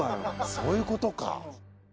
そういうことか。